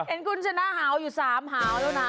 อันนี้เอนกุลชนะหาวอยู่สามหาวแล้วนะ